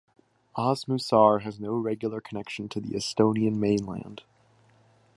Osmussaar has no regular connection to the Estonian mainland.